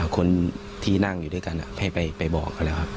คนที่นั่งอยู่ด้วยกันให้ไปบอกเขาแล้วครับ